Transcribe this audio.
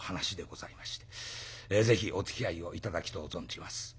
ぜひおつきあいを頂きとう存じます。